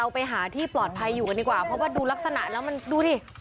ไปหาที่ปลอดภัยอยู่กันดีกว่าเพราะว่าดูลักษณะแล้วมันดูดิ